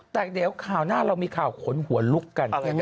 แต่เดี๋ยวข่าวหน้าเรามีข่าวขนหัวลุกกันใช่ไหม